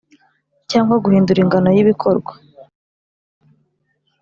Cyangwa guhindura ingano y ibikorwa